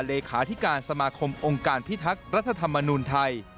เลขาธิการสมาคมองค์การพิทักษ์รัฐธรรมนูลไทย